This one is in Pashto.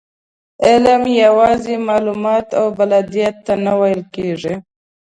علم یوازې معلوماتو او بلدتیا ته نه ویل کېږي.